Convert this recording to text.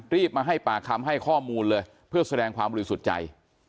มาให้ปากคำให้ข้อมูลเลยเพื่อแสดงความบริสุทธิ์ใจ